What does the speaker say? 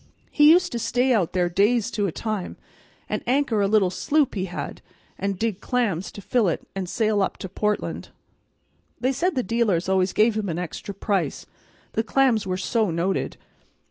He used to stay out there days to a time, and anchor a little sloop he had, and dig clams to fill it, and sail up to Portland. They said the dealers always gave him an extra price, the clams were so noted.